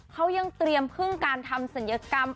เขายังเตรียมพึ่งการทำศัลยกรรม